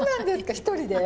１人で？